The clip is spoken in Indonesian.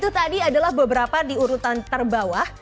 itu tadi adalah beberapa di urutan terbawah